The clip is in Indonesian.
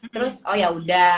terus oh ya udah